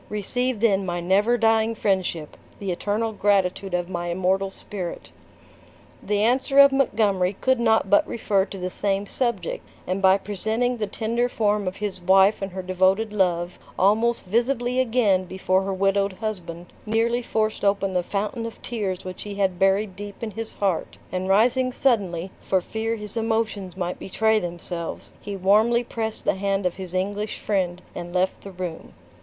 Receive then my never dying friendship, the eternal gratitude of my immortal spirit." The answer of Montgomery could not but refer to the same subject, and by presenting the tender form of his wife and her devoted love, almost visibly again before her widowed husband, nearly forced open the fountain of tears which he had buried deep in his heart; and rising suddenly, for fear his emotions might betray themselves, he warmly pressed the hand of his English friend, and left the room.